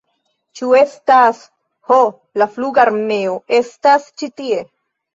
Ĉu estas... ho la flugarmeo estas ĉi tie!